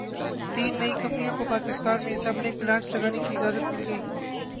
تین نئی کمپنیوں کو پاکستان میں اسمبلنگ پلانٹس لگانے کی اجازت مل گئی